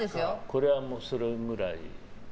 これもそれぐらい。